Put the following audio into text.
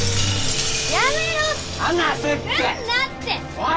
おい！